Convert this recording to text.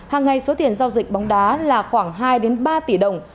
hàng ngày số tiền giao dịch bóng đá là khoảng hai ba tỷ đồng